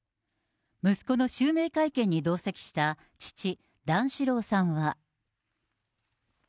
息子の襲名会見に同席した、父、段四郎さんは。